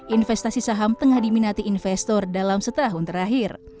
investasi saham tengah diminati investor dalam setahun terakhir